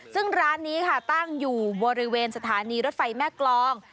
ซึ่งร้านนี้ค่ะตั้งอยู่บริเวณสถานีรถไฟแม่กรอง